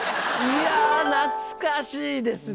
いや懐かしいですね。